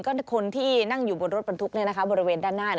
ก็คนที่นั่งอยู่บนรถบรรทุกบริเวณด้านหน้า